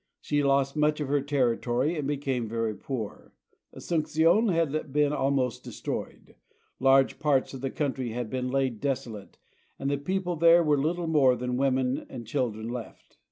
She lost much of her territory and became very poor. Asuncion had been almost destroyed, large parts of the country had been laid desolate, and of the people there were little more than women and children left.